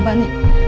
apaan masjid ini